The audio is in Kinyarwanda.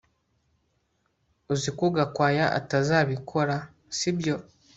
Uzi ko Gakwaya atazabikora sibyo